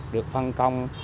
được phân công